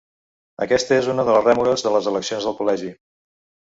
Aquesta és una de les rèmores de les eleccions del col·legi.